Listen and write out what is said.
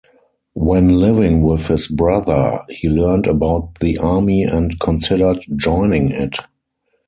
When living with his brother, he learned about the Army and considered joining it.